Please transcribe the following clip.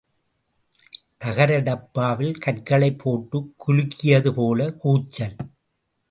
தகர டப்பாவில் கற்களைப் போட்டுக் குலுக்கியதுபோல கூச்சல்.